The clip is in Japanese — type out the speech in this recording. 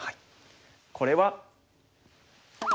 これは。